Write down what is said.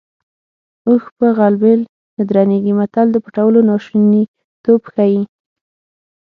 اوښ په غلبېل نه درنېږي متل د پټولو ناشونیتوب ښيي